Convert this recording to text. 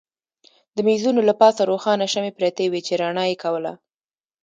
د مېزونو له پاسه روښانه شمعې پرتې وې چې رڼا یې کوله.